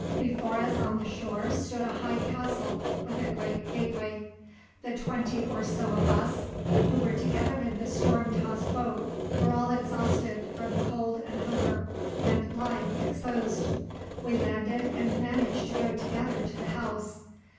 Before us on the shore stood a high castle with a great gateway. The twenty or so of us who were together in the storm tossed boat were all exhausted from cold and hunger, and lying exposed. We landed and managed to go together to the house.